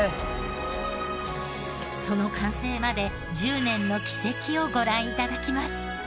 その完成まで１０年の軌跡をご覧頂きます。